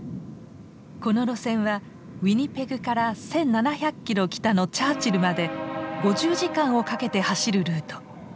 この路線はウィニペグから１，７００キロ北のチャーチルまで５０時間をかけて走るルート。